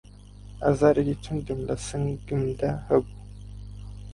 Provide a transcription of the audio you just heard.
ئازارێکی توندم له سنگمدا هەبوو